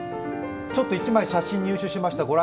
ちょっと１枚、写真を入手しました。